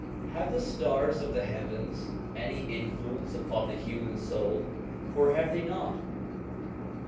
Have the stars of the heavens any influence upon the human soul, or have they not